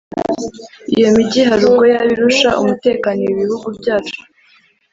iyo migi hari ubwo yaba irusha umutekano ibi bihugu byacu?